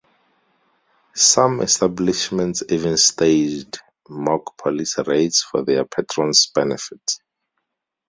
Some establishments even staged mock police raids for their patrons' benefit.